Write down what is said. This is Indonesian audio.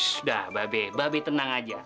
sudah babi babi tenang aja